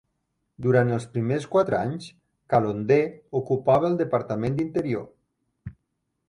Durant els primers quatre anys, Calonder ocupava el departament d'Interior.